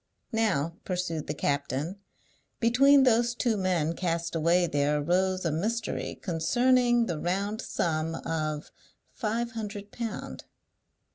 "Now," pursued the captain, "between those two men cast away there arose a mystery concerning the round sum of five hundred pound."